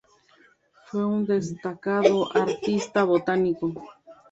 Fue un destacado artista botánico.